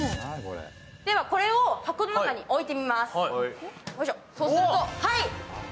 これを箱の中に置いてみます。